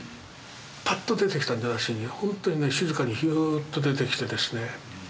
パッと出てきたんじゃなしにほんとに静かにヒューッと出てきてですね